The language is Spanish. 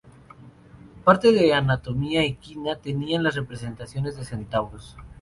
Parte de anatomía equina tenían las representaciones de centauros.